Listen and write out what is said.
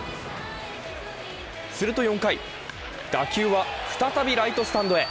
すると４回、打球は再びライトスタンドへ。